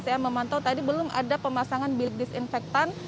saya memantau tadi belum ada pemasangan bilik disinfektan